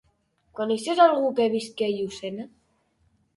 Coneixes algú que visqui a Llucena?